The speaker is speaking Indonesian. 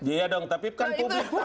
iya dong tapi kan publik tahu dong